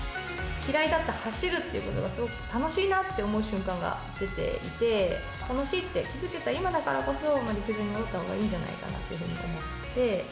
嫌いだった走るということが、すごく楽しいなって思う瞬間が出ていて、楽しいって気付けた今だからこそ、陸上に戻ったほうがいいんじゃないかなと思って。